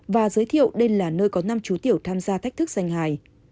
và giới thiệu đây là nơi có năm chú tiểu tham gia thách thức danh hài